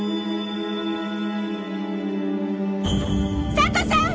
佐都さん！